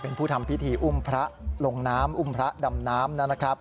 เป็นผู้ทำพิธีอุ้มพระลงน้ำอุ้มพระดำน้ำนะครับ